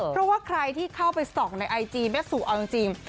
เพราะว่าใครที่เข้าไปส่องในไอจีแม่สู่เอาจริง